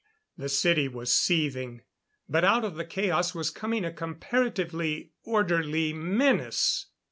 The city was seething. But out of the chaos was coming a comparatively orderly menace.